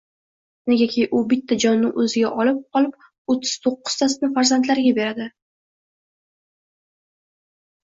Negaki u bitta jonni o’ziga olib qolib, o’ttiz to’qqiuztasini farzandlariga beradi.